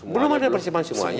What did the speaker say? belum ada persiapan semuanya